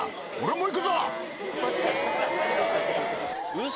ウソ。